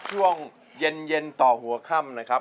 ช่วงเย็นต่อหัวค่ำนะครับ